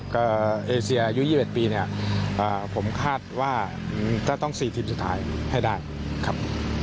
ก็เอเซียอายุ๒๑ปีเนี่ยผมคาดว่าจะต้อง๔ทีมสุดท้ายให้ได้ครับ